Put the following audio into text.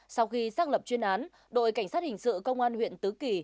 sau khi xác lập chuyên án đội cảnh sát hình sự công an huyện tứ kỳ